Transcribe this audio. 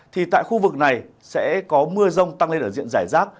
thì tại khu vực này sẽ có mưa rông tăng lên ở diện giải rác